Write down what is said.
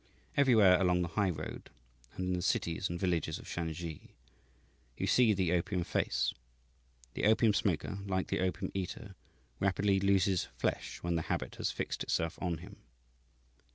Everywhere along the highroad and in the cities and villages of Shansi you see the opium face. The opium smoker, like the opium eater, rapidly loses flesh when the habit has fixed itself on him.